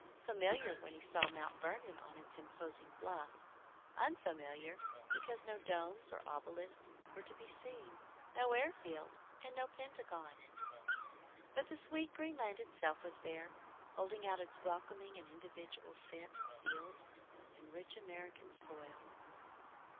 Familiar when he saw Mount Vernon on its imposing bluff; unfamiliar because no domes or obelisks were to be seen; no airfield, and no Pentagon. But the sweet green land itself was there, holding out its welcoming and individual scent of fields and rich American soil.